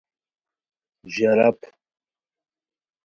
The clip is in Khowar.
ژارپ